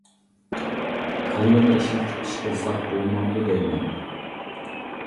كاللىنى ئىشلىتىپ ئىش قىلساق بولمامدۇ دەيمەن.